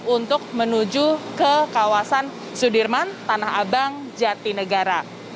untuk menuju ke kawasan sudirman tanah abang jatinegara